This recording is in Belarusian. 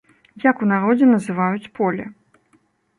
Як у народзе называюць поле?